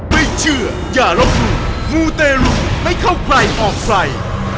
ไม่เชื่ออย่าลบหลู่มูเตรุไม่เข้าใครออกใคร